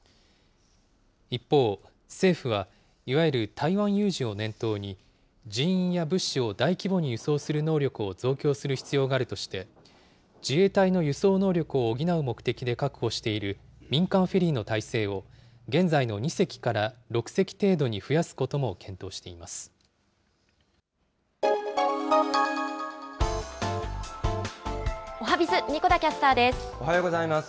一方、政府はいわゆる台湾有事を念頭に、人員や物資を大規模に輸送する能力を増強する必要があるとして、自衛隊の輸送能力を補う目的で確保している民間フェリーの体制を、現在の２隻から６隻程おはＢｉｚ、神子田キャスタおはようございます。